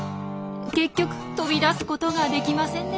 結局飛び出すことができませんでした。